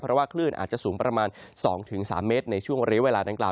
เพราะว่าคลื่นอาจจะสูงประมาณสองถึงสามเมตรในช่วงวันเรียกเวลาต่างกล่าว